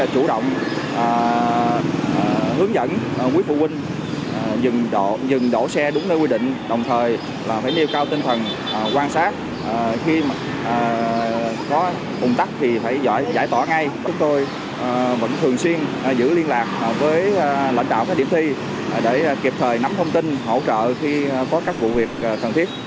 chúng tôi vẫn thường xuyên giữ liên lạc với lãnh đạo các điểm thi để kịp thời nắm thông tin hỗ trợ khi có các vụ việc cần thiết